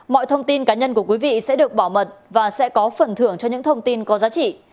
mọi thông tin cá nhân của quý vị sẽ được bảo mật và sẽ có phần thưởng cho những thông tin có giá trị